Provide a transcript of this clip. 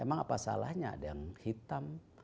emang apa salahnya ada yang hitam